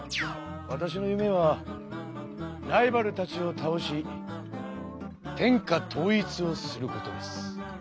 わたしの夢はライバルたちをたおし天下統一をすることです。